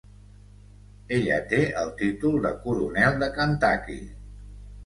Ella té el títol de Coronel de Kentucky.